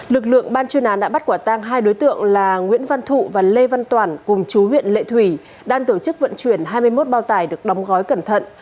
lực lượng ban chuyên án đã bắt quả tang hai đối tượng là nguyễn văn thụ và lê văn toản cùng chú huyện lệ thủy đang tổ chức vận chuyển hai mươi một bao tải được đóng gói cẩn thận